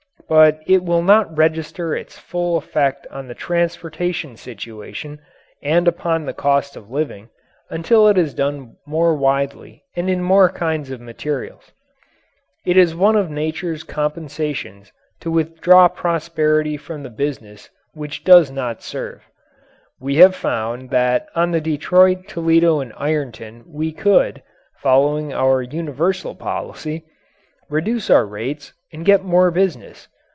But it will not register its full effect on the transportation situation and upon the cost of living until it is done more widely and in more kinds of materials. It is one of nature's compensations to withdraw prosperity from the business which does not serve. We have found that on the Detroit, Toledo & Ironton we could, following our universal policy, reduce our rates and get more business.